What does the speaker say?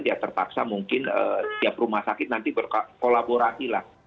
ya terpaksa mungkin tiap rumah sakit nanti berkolaborasi lah